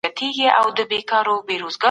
ښه ذهنیت کار نه خرابوي.